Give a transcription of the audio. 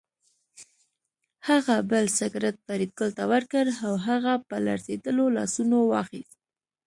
هغه بل سګرټ فریدګل ته ورکړ او هغه په لړزېدلو لاسونو واخیست